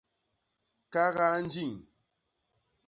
Kagaa njiñ.